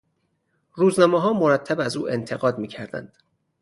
روزنامهها مرتب از او انتقاد میکردند.